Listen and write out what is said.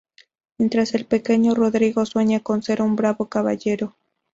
Mientras el pequeño Rodrigo sueña con ser un bravo caballero.